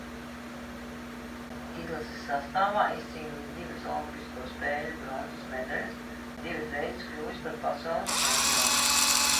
Izlases sastāvā izcīnījis divas olimpisko spēļu bronzas medaļas, divas reizes kļuvis par Pasaules čempionu.